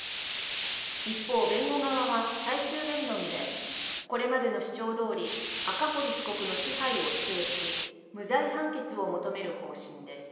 一方弁護側は最終弁論でこれまでの主張どおり赤堀被告の支配を否定し無罪判決を求める方針です